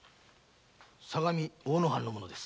相模大野藩の者です。